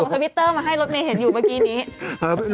ทวิตเตอร์มาให้รถเมย์เห็นอยู่เมื่อกี้นี้